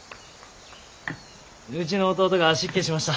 うちの弟が失敬しました。